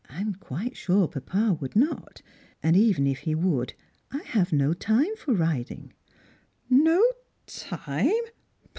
"If'.m qiaite sure papa would not; and even if he would, I have no time for riding." "No time!